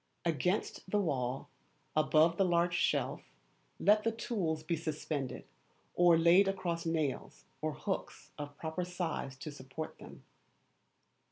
Against the wall, above the large shelf, let the tools be suspended, or laid across nails or hooks of proper size to support them.